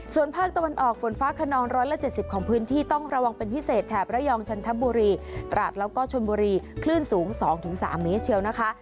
ส่วนภาคตะวันออกฝนฟ้าขนอง๑๗๐ของพื้นที่ต้องระวังเป็นพิเศษแถบระยองชันทบุรีตราดแล้วก็ชนบุรีคลื่นสูง๒๓เมตรเชียวนะคะ